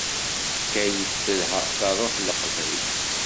Bgayet telha, d ṛṛuḥ n Leqbayel.